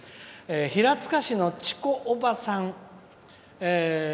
平塚市の、ちこおばさん。